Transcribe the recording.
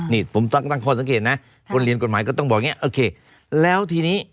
นี่ผมตั้งข้อสังเกตนะคนเรียนกฎหมายก็ต้องบอกอย่างนี้